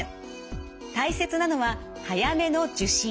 大切なのは早めの受診。